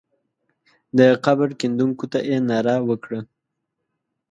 د قبر کیندونکو ته یې ناره وکړه.